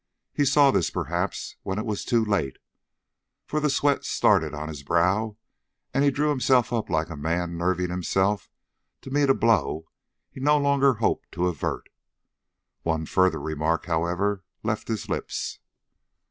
He saw this, perhaps, when it was too late, for the sweat started on his brow, and he drew himself up like a man nerving himself to meet a blow he no longer hoped to avert. One further remark, however, left his lips.